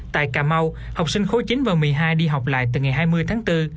tại cà mau học sinh khối chín và một mươi hai đi học lại từ ngày hai mươi tháng bốn